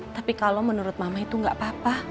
tapi kalau menurut mama itu gak apa apa